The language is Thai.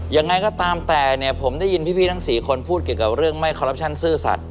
ยังไงก็ตามแต่เนี่ยผมได้ยินพี่ทั้ง๔คนพูดเกี่ยวกับเรื่องไม่คอรัปชั่นซื่อสัตว